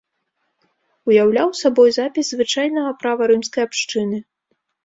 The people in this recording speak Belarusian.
Уяўляў сабой запіс звычайнага права рымскай абшчыны.